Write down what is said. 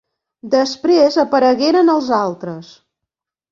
Després aparegueren els altres.